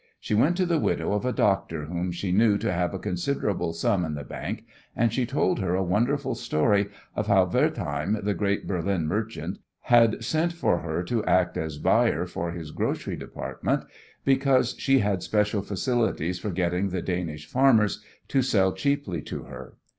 She went to the widow of a doctor whom she knew to have a considerable sum in the bank, and she told her a wonderful story of how Wertheim, the great Berlin merchant, had sent for her to act as buyer for his grocery department because she had special facilities for getting the Danish farmers to sell cheaply to her.